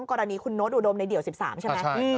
กรณีคุณโน๊ตอุดมในเดี่ยวสิบสามใช่ไหมอ่าใช่อืม